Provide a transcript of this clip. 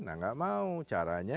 nah nggak mau caranya